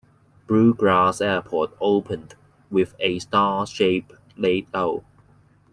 Blue Grass airport opened with a star-shaped layout.